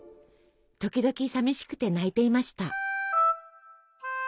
時々さみしくて泣いていました。